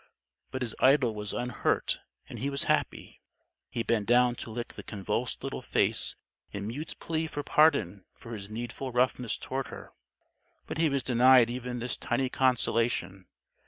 But his idol was unhurt and he was happy. He bent down to lick the convulsed little face in mute plea for pardon for his needful roughness toward her. But he was denied even this tiny consolation.